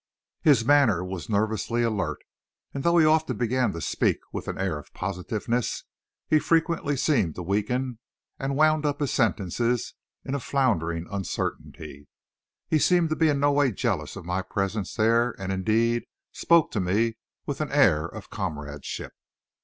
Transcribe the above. His manner was nervously alert, and though he often began to speak with an air of positiveness, he frequently seemed to weaken, and wound up his sentences in a floundering uncertainty. He seemed to be in no way jealous of my presence there, and indeed spoke to me with an air of comradeship.